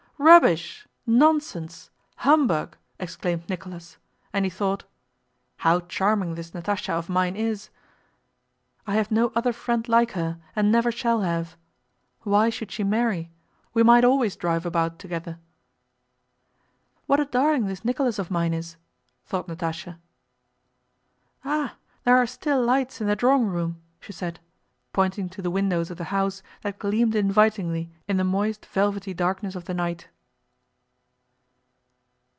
"Rubbish, nonsense, humbug!" exclaimed Nicholas, and he thought: "How charming this Natásha of mine is! I have no other friend like her and never shall have. Why should she marry? We might always drive about together!" "What a darling this Nicholas of mine is!" thought Natásha. "Ah, there are still lights in the drawing room!" she said, pointing to the windows of the house that gleamed invitingly in the moist velvety darkness of the night.